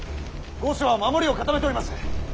御所は守りを固めております。